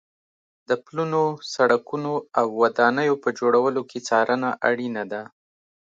د پلونو، سړکونو او ودانیو په جوړولو کې څارنه اړینه ده.